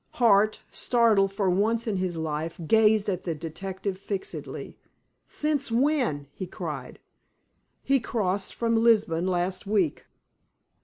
Hart, startled for once in his life, gazed at the detective fixedly. "Since when?" he cried. "He crossed from Lisbon last week."